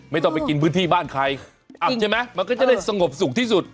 ไม่ต้องไปกินพื้นที่บ้านใครอับใช่ไหมมันก็จะได้สงบสุขที่สุด